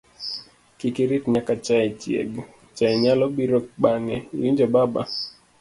kik irit nyaka chaye chieg, chaye nyalo biro bang'e, iwinjo baba